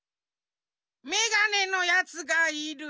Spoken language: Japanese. メガネのやつがいる。